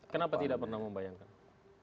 kenapa tidak pernah membayangkan